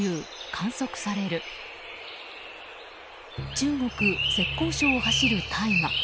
中国・浙江省を走る大河。